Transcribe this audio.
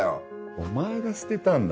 お前が捨てたんだろ？